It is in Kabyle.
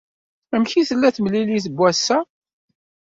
Amek ay d-tella temlilit n wass-a?